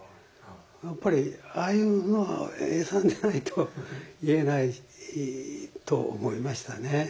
やっぱりああいうのは永さんじゃないと言えないと思いましたね。